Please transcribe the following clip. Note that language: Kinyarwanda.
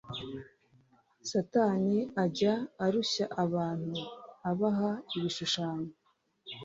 satani ajya arushya abantu, abaha ibishushanyo